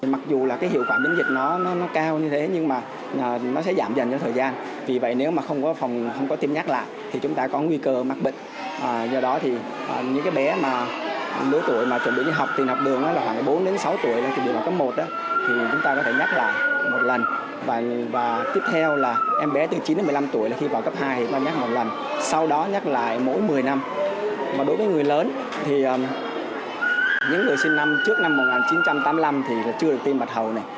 mà đối với người lớn thì những người sinh năm trước năm một nghìn chín trăm tám mươi năm thì chưa được tiêm bạch hầu này